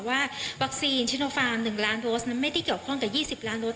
ว่าวัคซีนชิโนฟาร์ม๑ล้านโดสนั้นไม่ได้เกี่ยวข้องกับ๒๐ล้านโดส